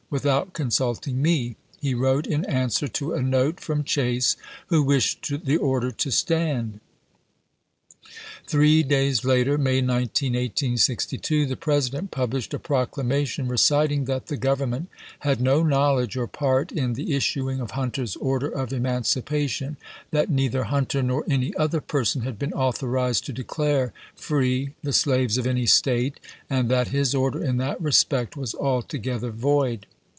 out consulting me," he wrote in answer to a note ^v^lzi. from Chase, who wished the order to stand. Three days later (May 19, 1862) the President published a proclamation reciting that the Govern ment had no knowledge or part in the issuing of Hunter's order of emancipation, that neither Hun ter nor any other person had been authorized to declare free the slaves of any State, and that his order in that respect was altogether void.